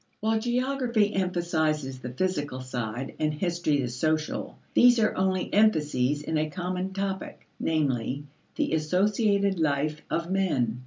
While geography emphasizes the physical side and history the social, these are only emphases in a common topic, namely, the associated life of men.